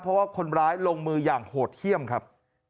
เพราะว่าคนร้ายลงมืออย่างโหดเยี่ยมครับ